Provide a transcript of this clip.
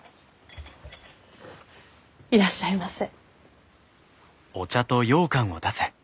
いらっしゃいませ。